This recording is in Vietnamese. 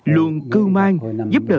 luôn cư mang giúp đỡ